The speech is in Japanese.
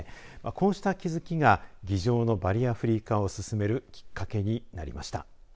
こうした気づきが議場のバリアフリー化を進めるきっかけになりました。